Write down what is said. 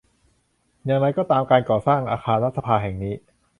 อย่างไรก็ตามการก่อสร้างอาคารรัฐสภาแห่งนี้